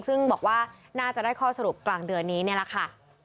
ซึ่งบอกว่าน่าจะได้ข้อสรุปกลางเดือนนี้นี่แหละค่ะ